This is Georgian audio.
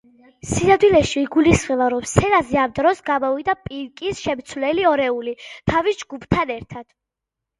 სინამდვილეში, იგულისხმება, რომ სცენაზე ამ დროს გამოვიდა პინკის შემცვლელი ორეული, თავის ჯგუფთან ერთად.